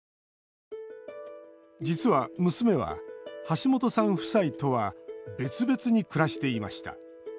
実は、娘は橋本さん夫妻とは別々に暮らしていました。